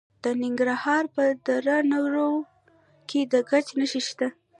د ننګرهار په دره نور کې د ګچ نښې شته.